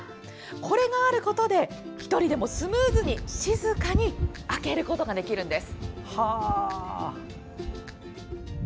これがあることで、１人でもスムーズに、静かに開けることができるんです。